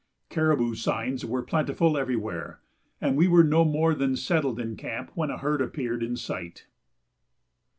Caribou signs were plentiful everywhere, and we were no more than settled in camp when a herd appeared in sight.